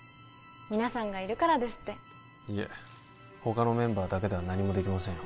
皆さんがいるからですっていえ他のメンバーだけでは何もできませんよ